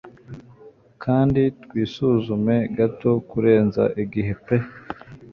Kandi twisuzume gato kurenza igihe pe